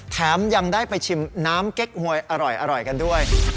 แถมยังได้ไปชิมน้ำเก๊กหวยอร่อยกันด้วย